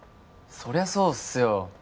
そりゃそうっすよ